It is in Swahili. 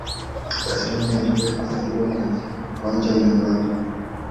barcelona iliwahi kufungwa kwenye uwanja nyumbani